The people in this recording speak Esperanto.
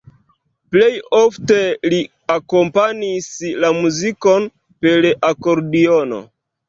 Plej ofte li akompanis la muzikon per akordiono.